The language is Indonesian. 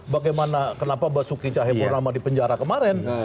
bagaimana kenapa basuki cahayapurnama di penjara kemarin